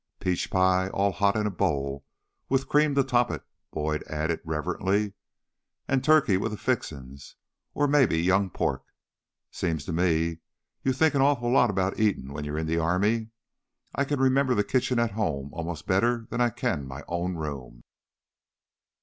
"Peach pie all hot in a bowl with cream to top it," Boyd added reverently. "And turkey with the fixin's or maybe young pork! Seems to me you think an awful lot about eatin' when you're in the army. I can remember the kitchen at home almost better than I can my own room...."